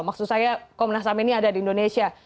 maksud saya komnas ham ini ada di indonesia